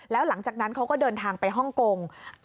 แล้วหลังจากนั้นเขาก็เดินทางไปฮ่องกง